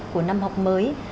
của năm học mới